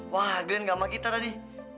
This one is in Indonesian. wagen gak sama kita tadi